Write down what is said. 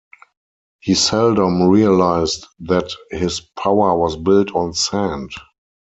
He seldom realized that his power was built on sand.